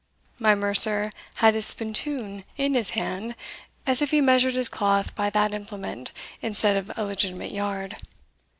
My mercer had his spontoon in his hand, as if he measured his cloth by that implement, instead of a legitimate yard.